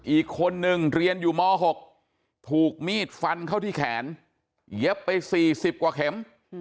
อีกคนนึงเรียนอยู่ม๖ถูกมีดฟันเข้าที่แขนเย็บไป๔๐กว่าเข็ม